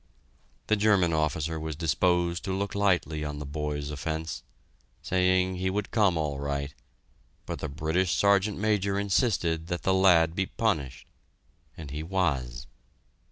The German officer was disposed to look lightly on the boy's offense, saying he would come all right, but the British Sergeant Major insisted that the lad be punished and he was.